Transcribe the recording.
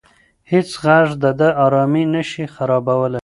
هیڅ غږ د ده ارامي نه شي خرابولی.